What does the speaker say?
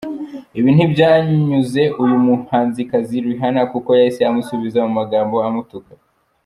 Ibi ntibyanyuze uyu muhanzikazi, Rihanna, kuko yahise amusubiza mu magambo amutuka.